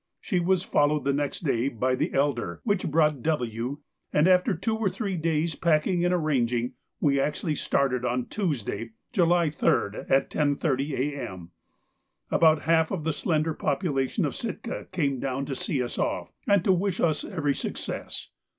She was followed next day by the 'Elder,' which brought W., and after two or three days' packing and arranging, we actually started on Tuesday, July 3, at 10.30 A.M. About half of the slender population of Sitka came down to see us off, and to wish us every success.